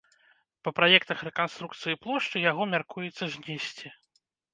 Па праектах рэканструкцыі плошчы яго мяркуецца знесці.